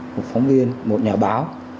một phóng viên một nhà báo